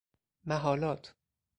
محالات